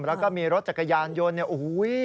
แล้วก็มีรถจักรยานยนต์โอ้โฮ